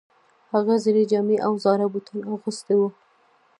هغه زړې جامې او زاړه بوټان اغوستي وو